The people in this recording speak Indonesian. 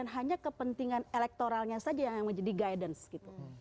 hanya kepentingan elektoralnya saja yang menjadi guidance gitu